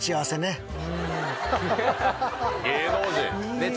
芸能人！